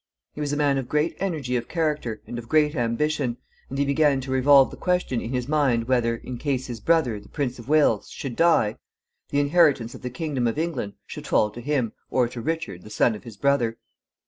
He was a man of great energy of character and of great ambition, and he began to revolve the question in his mind whether, in case his brother, the Prince of Wales, should die, the inheritance of the kingdom of England should fall to him, or to Richard, the son of his brother.